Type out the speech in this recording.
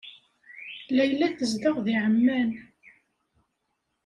Layla tezdeɣ deg ɛemman.